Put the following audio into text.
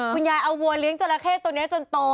ยายเอาวัวเลี้ยงจราเข้ตัวนี้จนโต